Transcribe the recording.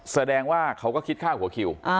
แสดงว่าเขาก็คิดค่าหัวคิว